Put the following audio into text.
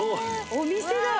お店だわ。